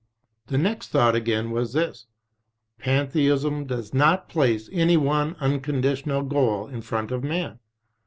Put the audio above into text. The next thought again was this : Pantheism does not place any one unconditional goal in front of man.